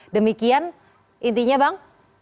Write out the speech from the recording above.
demikian intinya bang